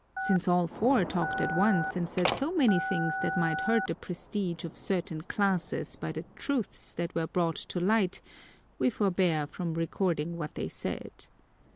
Since all four talked at once and said so many things that might hurt the prestige of certain classes by the truths that were brought to light, we forbear from recording what they said.